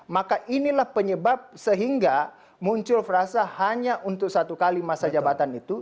maka inilah penyebab sehingga muncul frasa hanya untuk satu kali masa jabatan itu